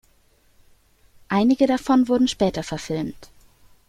Einige davon wurden später verfilmt.